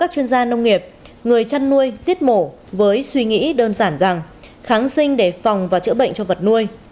các chuyên gia nông nghiệp người chăn nuôi giết mổ với suy nghĩ đơn giản rằng kháng sinh để phòng và chữa bệnh cho vật nuôi